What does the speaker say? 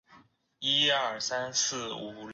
朱筠与弟朱圭皆能文。